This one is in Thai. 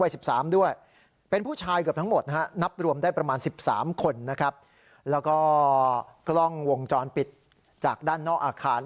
สิบสามคนนะครับแล้วก็กล้องวงจรปิดจากด้านนอกอาคาร